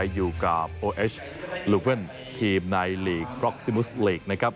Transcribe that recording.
อยู่กับโอเอชลูเฟ่นทีมในลีกบล็อกซิมุสลีกนะครับ